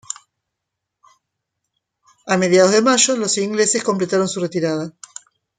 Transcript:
A mediados de mayo, los ingleses completaron su retirada.